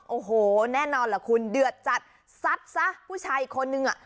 โอ้โหแน่นอนล่ะคุณเดือดจัดซัดซะผู้ชายอีกคนนึงอ่ะ